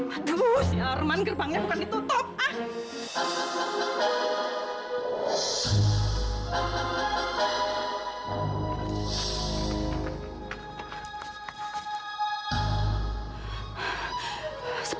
aduh arman gerbangnya bukan ditutup